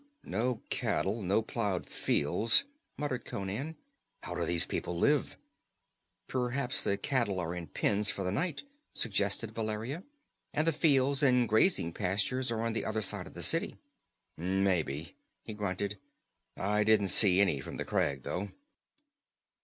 "No cattle, no plowed fields," muttered Conan. "How do these people live?" "Perhaps the cattle are in pens for the night," suggested Valeria, "and the fields and grazing pastures are on the other side of the city." "Maybe," he grunted. "I didn't see any from the crag, though."